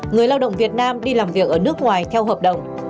người lao động việt nam đi làm việc ở nước ngoài theo hợp đồng